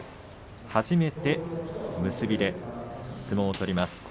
初めて結びで相撲を取ります。